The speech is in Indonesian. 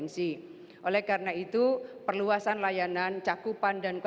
saya jelaskan sedikit saya lakukan kayak itu